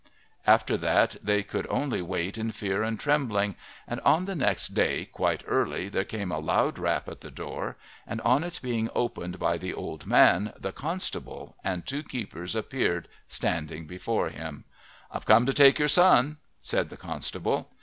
After that they could only wait in fear and trembling, and on the next day quite early there came a loud rap at the door, and on its being opened by the old man the constable and two keepers appeared standing before him. "I've come to take your son," said the constable.